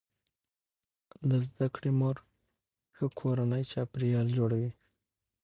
د زده کړې مور ښه کورنی چاپیریال جوړوي.